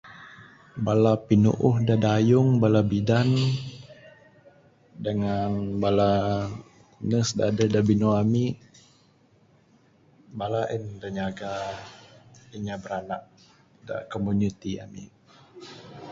Bala pinuuh da dayung, bala bidan, dengan bala nurse da adeh da binua ami, bala en da nyaga inya biranak da komuniti ami.